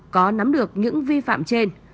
có nắm được những vi phạm trên